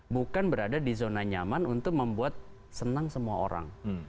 bukan berada di zona nyaman untuk membuat senang semua orang